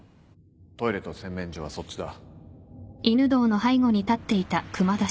トイレと洗面所はそっちだ